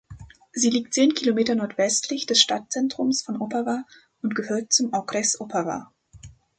Sie liegt zehn Kilometer nordwestlich des Stadtzentrums von Opava und gehört zum Okres Opava.